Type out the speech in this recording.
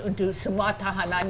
untuk semua tahanan